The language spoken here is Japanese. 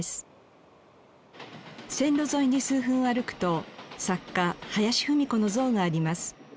線路沿いに数分歩くと作家林芙美子の像があります。